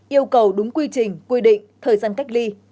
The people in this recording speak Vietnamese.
yêu cầu đúng quy trình quy định thời gian cách ly